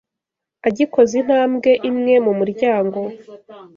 Agikoza intambwe imwe mu muryango